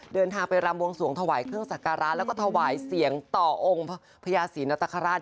เดินทางไปรำวงสวงถวายเครื่องสักการะแล้วก็ถวายเสียงต่อองค์พญาศรีนตราช